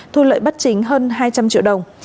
thu lợi bất chính hơn hai trăm linh triệu đồng